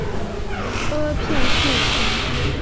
萼片宿存。